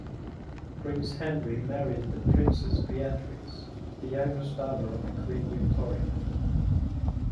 Prince Henry married The Princess Beatrice, the youngest daughter of Queen Victoria.